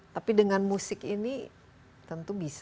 tapi dengan musik ini tentu bisa